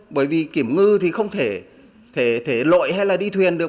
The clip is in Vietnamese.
bởi vì kiểm ngư thì không thể thể lội hay là đi thuyền được